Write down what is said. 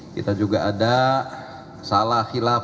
kita juga ada salah hilaf